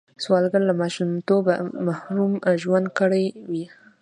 سوالګر له ماشومتوبه محروم ژوند کړی وي